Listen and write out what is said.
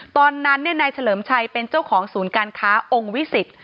ตอนนั้นนายเฉลิมชัยเป็นเจ้าของศูนย์การค้าองค์วิสิต